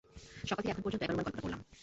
সকাল থেকে এখন পর্যন্ত এগার বার গল্পটা পড়লাম।